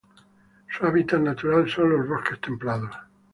Su hábitat natural son: los bosques templados.